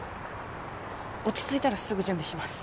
落ち着いたらすぐ準備します。